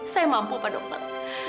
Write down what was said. saya mampu pak dokter